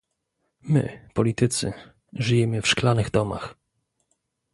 My, politycy, żyjemy w szklanych domach